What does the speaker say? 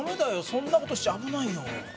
そんな事しちゃ危ないよ！